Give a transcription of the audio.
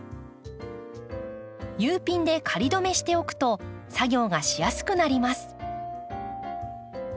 Ｕピンで仮止めしておくと作業がしやすくなります。